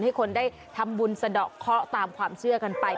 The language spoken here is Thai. ให้คนได้ทำบุญสะดอกเคาะตามความเชื่อกันไป